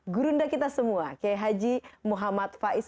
gurunda kita semua k h muhammad faiz